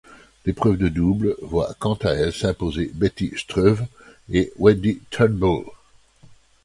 L'épreuve de double voit quant à elle s'imposer Betty Stöve et Wendy Turnbull.